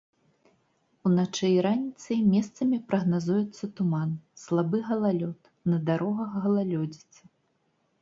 Уначы і раніцай месцамі прагназуецца туман, слабы галалёд, на дарогах галалёдзіца.